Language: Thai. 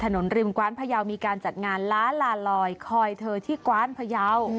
ต้องแต่งกาย้อนยุคหน้าเลยเนี่ย